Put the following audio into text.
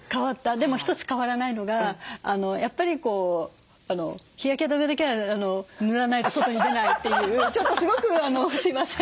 でも一つ変わらないのがやっぱり日焼け止めだけは塗らないと外に出ないっていうちょっとすごくすいません。